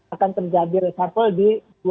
akan terjadi reshuffle di